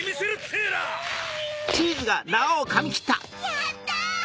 やった！